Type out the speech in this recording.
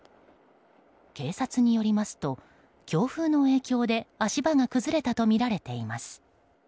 警察によりますと強風の影響で足場が崩れたとみられています。